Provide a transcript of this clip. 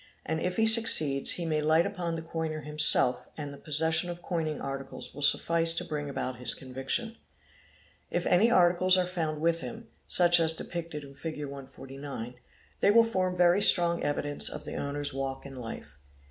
149. ind if he succeeds he may light upon the coiner himself and the possession of coining articles will suftice to bring about his conviction. If any articles are found with him, such as depicted in Fig. 149, they will form 7 yery strong evidence of the owner's walk in life.